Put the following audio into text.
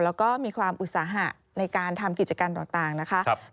แล้วก็มีความอุตสาหะในการทำกิจกรรมต่างนะคะ